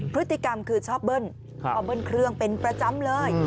พฤติกรรมคือชอบเบิ้ลชอบเบิ้ลเครื่องเป็นประจำเลย